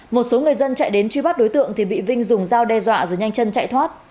một số người dân chạy đến truy bắt đối tượng thì bị vinh dùng dao đe dọa rồi nhanh chân chạy thoát